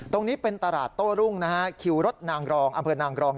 ตรงนี้เป็นตลาดโต้รุ่งนะฮะคิวรถนางรองอำเภอนางรอง